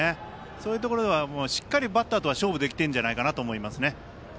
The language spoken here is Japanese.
そういうところでしっかりバッターと勝負できているんだと思います。